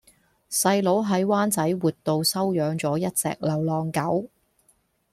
細佬喺灣仔活道收養左一隻流浪狗